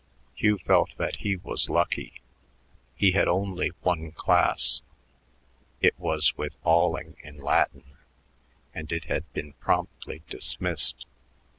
Hugh felt that he was lucky; he had only one class it was with Alling in Latin and it had been promptly dismissed.